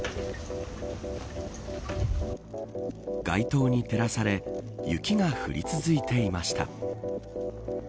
街灯に照らされ雪が降り続いていました。